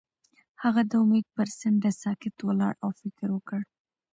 هغه د امید پر څنډه ساکت ولاړ او فکر وکړ.